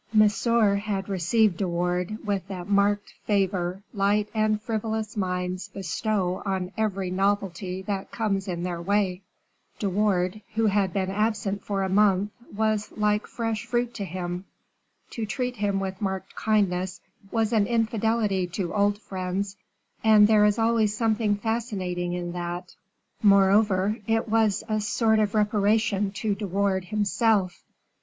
Monsieur had received De Wardes with that marked favor light and frivolous minds bestow on every novelty that comes in their way. De Wardes, who had been absent for a month, was like fresh fruit to him. To treat him with marked kindness was an infidelity to old friends, and there is always something fascinating in that; moreover, it was a sort of reparation to De Wardes himself.